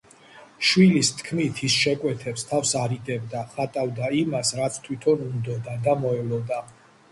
შვილის თქმით, ის შეკვეთებს თავს არიდებდა, ხატავდა იმას, რაც თვითონ უნდოდა და მოელოდა.